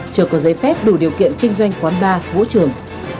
chưa có giấy phép đủ điều kiện kinh doanh quán bar vũ trường